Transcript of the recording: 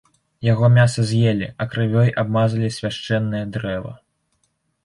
Яго мяса з'елі, а крывёй абмазалі свяшчэннае дрэва.